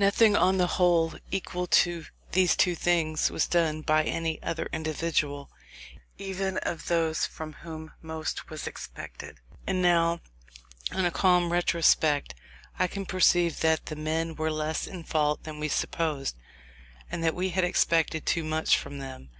Nothing, on the whole equal to these two things, was done by any other individual, even of those from whom most was expected. And now, on a calm retrospect, I can perceive that the men were less in fault than we supposed, and that we had expected too much from them.